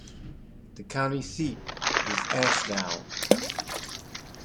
The county seat is Ashdown.